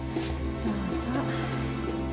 どうぞ。